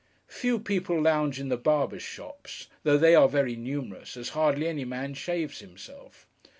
Few people lounge in the barbers' shops; though they are very numerous, as hardly any man shaves himself.